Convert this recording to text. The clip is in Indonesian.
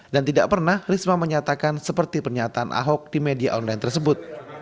dan tidak pernah risma menyatakan seperti pernyataan ahok di media online tersebut